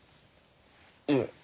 いえ。